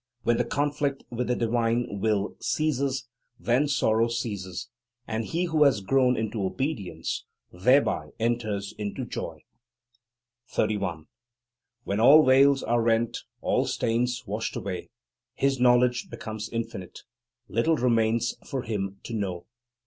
When the conflict with the divine will ceases, then sorrow ceases, and he who has grown into obedience, thereby enters into joy. 31. When all veils are rent, all stains washed away, his knowledge becomes infinite; little remains for him to know.